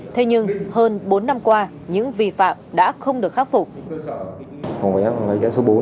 thế nhưng hơn bốn năm qua những vi phạm đã không được khắc phục